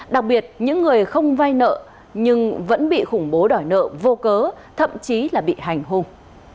đặc biệt những người không vai nợ nhưng vẫn bị khủng bố đòi nợ vô cớ thậm chí là bị hành hung